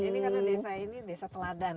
ini karena desa ini desa teladan